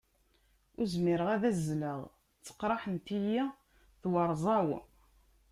Ur zmireɣ ad azzleɣ, ttqerriḥent-iyi twerẓa-w.